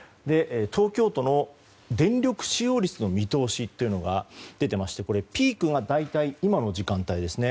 東京都の電力使用率の見通しが出ていましてこれ、ピークが大体今の時間帯ですね。